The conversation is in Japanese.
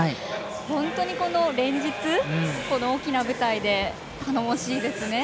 本当に連日この大きな舞台で頼もしいですね。